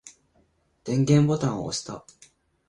電源ボタンを押した。